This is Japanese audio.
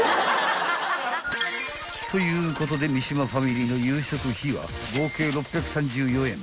［ということで三島ファミリーの夕食費は合計６３４円］